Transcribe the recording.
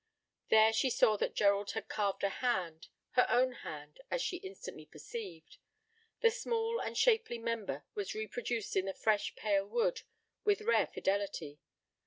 There she saw that Gerald had carved a hand her own hand, as she instantly perceived. The small and shapely member was reproduced in the fresh, pale wood with rare fidelity.